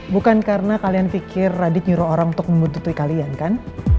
bukan karena kalian pikir radit nyuruh orang untuk membentuk tri kalian kan